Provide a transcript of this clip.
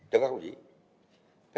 chỉ có các đồng chí